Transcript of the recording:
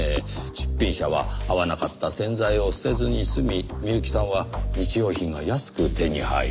出品者は合わなかった洗剤を捨てずに済み美由紀さんは日用品が安く手に入る。